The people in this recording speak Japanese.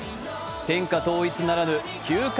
天下統一ならぬ球界